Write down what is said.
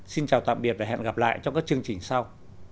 xin chào tạm biệt và hẹn gặp lại trong các chương trình sau